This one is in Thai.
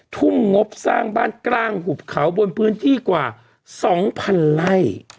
ทุ่มงบสร้างบ้านกลางหุบเขาบนพื้นที่กว่า๒๐๐๐ไร่